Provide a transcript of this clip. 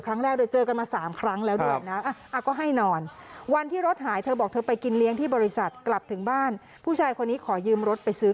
ครั้งแล้วดูแหละนะอ่ะก็ให้นอนวันที่รถหายเธอบอกที่ไปกินเลี้ยงที่บริษัทกลับถึงบ้านผู้ชายคนนี้ขอยืมรถไปซื้อ